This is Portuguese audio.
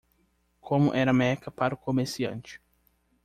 como era Meca para o comerciante.